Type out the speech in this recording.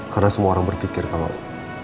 karena semua orang berpikir kalau